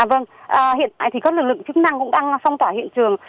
vâng hiện tại thì các lực lượng chức năng cũng đang phong tỏa hiện trường